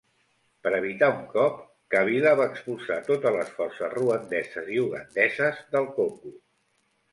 Per evitar un cop, Kabila va expulsar totes les forces ruandeses i ugandeses del Congo.